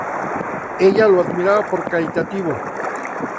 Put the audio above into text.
Ella lo admira por caritativo.